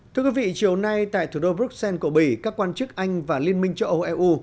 thưa quý vị chiều nay tại thủ đô bruxelles của bỉ các quan chức anh và liên minh châu âu eu